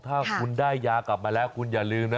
ถ้าคุณได้ยากลับมาแล้วคุณอย่าลืมนะ